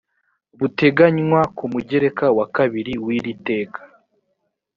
buteganywa ku mugereka wa kabiri w iri teka